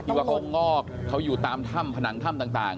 ว่าเขางอกเขาอยู่ตามถ้ำผนังถ้ำต่าง